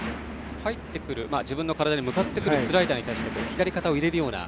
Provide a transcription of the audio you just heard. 自分の体に向かってくるスライダーに対して左肩を入れるような。